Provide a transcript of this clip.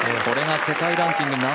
これが世界ランキング